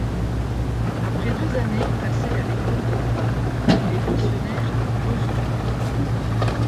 Après deux années passées à l'école Godeau, il est pensionnaire à Brezolles.